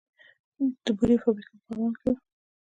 د بورې فابریکه په بغلان کې وه